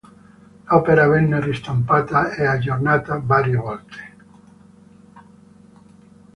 L'opera venne ristampata e aggiornata varie volte.